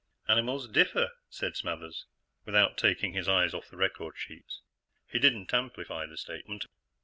"Animals differ," said Smathers, without taking his eyes off the record sheets. He didn't amplify the statement.